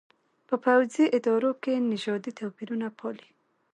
په پوځي ادارو کې نژادي توپېرونه پالي.